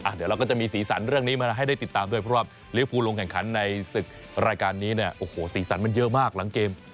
เดี๋ยวเราก็จะมีสีสันเรื่องนี้มาให้ได้ติดตามด้วยเพราะว่าลิวภูลงแข่งขันในศึกรายการนี้เนี่ยโอ้โหสีสันมันเยอะมากหลังเกม